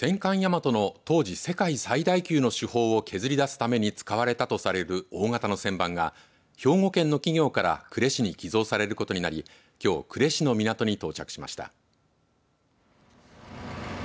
戦艦大和の当時世界最大級の主砲を削り出すために使われたとする大型の旋盤が兵庫県の企業から呉市に寄贈されることになりきょう呉市の港に到着しました。